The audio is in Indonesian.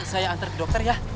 saya antar ke dokter ya